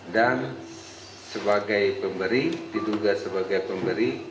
dan sebagai pemberi diduga sebagai pemberi